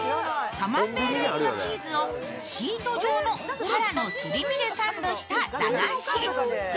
カマンベール入りのチーズをシート状のたらのすり身でサンドした駄菓子。